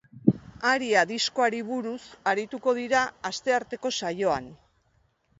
Haria diskoari buruz arituko dira astearteko saioan.